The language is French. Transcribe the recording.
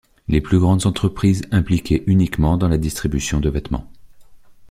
Les plus grandes entreprises impliquées uniquement dans la distribution de vêtements.